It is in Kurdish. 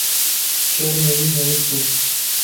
Çermê wî hênik bû.